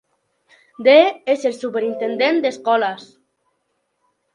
D és el superintendent d'escoles.